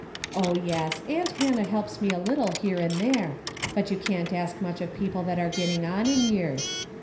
Oh yes, aunt Hannah helps me a little here and there, but you can't ask much of people that are getting on in years.